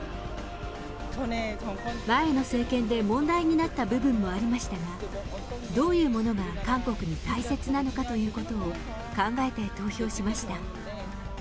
前の政権で問題になった部分もありましたが、どういうものが韓国に大切なのかということを考えて投票しました。